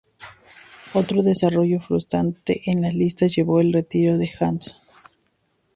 Otro desarrollo frustrante en las listas llevó al retiro de Hansson.